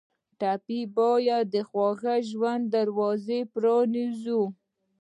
ټپي ته باید د خوږ ژوند دروازه پرانیزو.